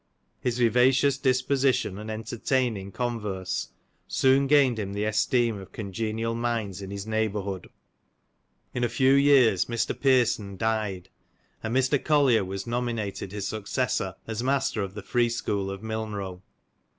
His vivacious disposition, and entertaining converse, soon gained him the esteem of congenial minds in his neighbourhood. In a few years Mr. Pearson died, and Mr. Collier was nomi nated his successor as master of the free school of Milnrow.